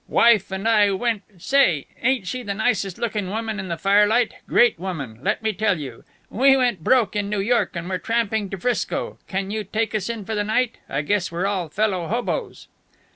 "Wife and I went Say, ain't she the nicest looking woman in that firelight! Great woman, let me tell you. We went broke in New York and we're tramping to 'Frisco. Can you take us in for the night? I guess we're all fellow hoboes."